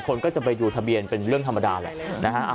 คนก็จะไปดูทะเบียนเป็นเรื่องธรรมดาแหละนะฮะ